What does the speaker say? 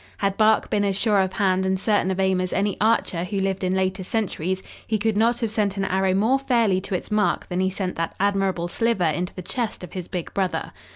Had Bark been as sure of hand and certain of aim as any archer who lived in later centuries he could not have sent an arrow more fairly to its mark than he sent that admirable sliver into the chest of his big brother.